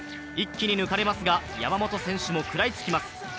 一気に抜かれますが山本選手も食らいつきます。